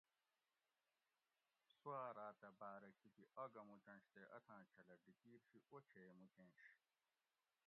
سواۤ راۤتہ باۤرہ کھیکی آگہ موچنش تے اتھاں چھلہ ڈِیکیر شی اوچھے موچینش